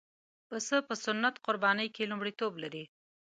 پسه په سنت قربانۍ کې لومړیتوب لري.